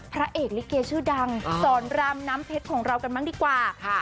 พระเอกลิเกชื่อดังสอนรามน้ำเพชรของเรากันบ้างดีกว่าค่ะ